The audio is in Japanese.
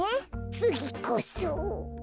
つぎこそ。